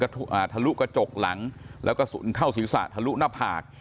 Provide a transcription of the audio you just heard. ทะลุกระจกหลังแล้วก็ทะลุหน้าผาก